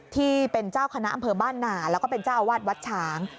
ที่เป็นเจ้าคณะอำเภอบ้านหนาแล้วก็เป็นเจ้าอาวาสวัดฉาง